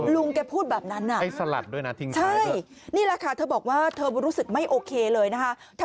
ลุงแกพูดแบบนั้นนะใช่นี่แหละค่ะเธอบอกว่าเธอรู้สึกไม่โอเคเลยนะฮะ